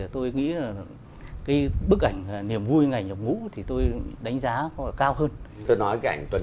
tôi nghĩ là